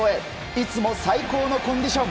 いつも最高のコンディション